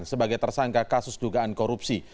sebagai tersangka kasus dugaan korupsi